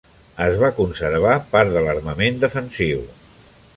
Es va conservar part de l'armament defensiu.